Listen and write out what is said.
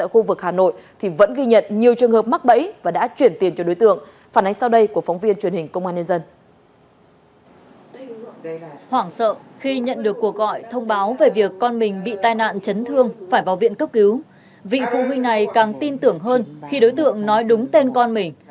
hoàng sợ khi nhận được cuộc gọi thông báo về việc con mình bị tai nạn chấn thương phải vào viện cấp cứu vị phụ huynh này càng tin tưởng hơn khi đối tượng nói đúng tên con mình